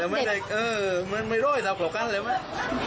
อ๋อไม่ได้เพื่อคราวเป็นครูฮันเลย